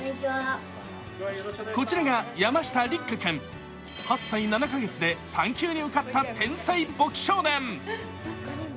こちらが山下律久君、８歳７か月で３級に受かった天才簿記少年。